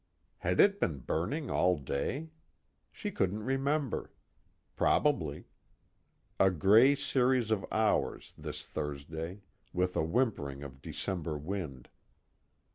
Had it been burning all day? She couldn't remember. Probably; a gray series of hours, this Thursday, with a whimpering of December wind.